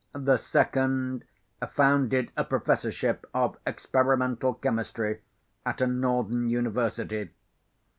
The second founded a professorship of experimental chemistry at a northern university.